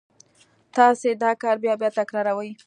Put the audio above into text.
تاسې دا کار بیا بیا تکراروئ